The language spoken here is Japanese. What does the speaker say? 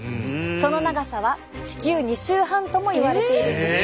その長さは地球２周半ともいわれているんです。